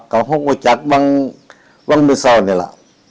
อ่ะก็หกหกจักรมังเมื่อเศร้าเนี่ยหรอ